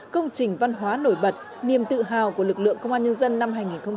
công trình văn hóa nổi bật niềm tự hào của lực lượng công an nhân dân năm hai nghìn hai mươi ba